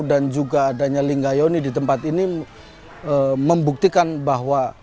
dan juga adanya linggayoni di tempat ini membuktikan bahwa